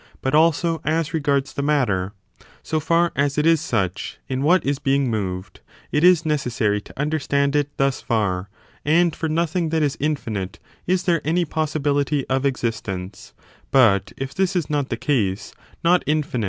But, also, as regards the matter, — so far as it is such, in what is e2 62 THB METAPHT8IGS OF ABISTOTLB. [bOOKI. being moved,^ — ^it is necessary to understand it thus far; and for nothing that is infinite is there any possibility of ex istence : but, if this is not the case, not in&iit.